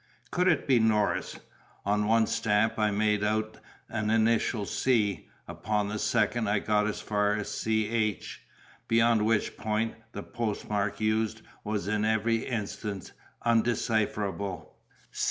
Could it be Norris? On one stamp I made out an initial C; upon a second I got as far as CH; beyond which point, the postmark used was in every instance undecipherable.